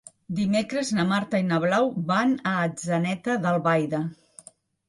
Dimecres na Marta i na Blau van a Atzeneta d'Albaida.